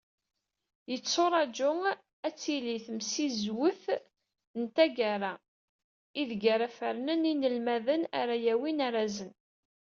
Yetturaǧu, ad tili temsizwet n taggara, ideg ara d-fernen inelmaden ara yawin arazzen.